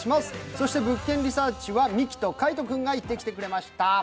そして「物件リサーチ」はミキと海音君が行ってくれました。